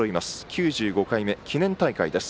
９５回目、記念大会です。